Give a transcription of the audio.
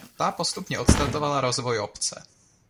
Ta postupně odstartovala rozvoj obce.